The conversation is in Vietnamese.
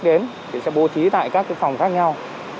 thì sẽ bố trí tại các cái phòng khác nhau